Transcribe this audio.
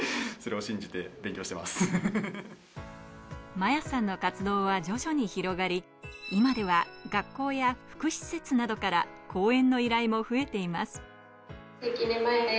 摩耶さんの活動は徐々に広がり、今では学校や福祉施設などから講演の依頼も増えています。